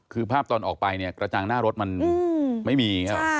คือภาพตอนออกไปเนี่ยกระจังหน้ารถมันไม่มี